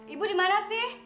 ibu dimana sih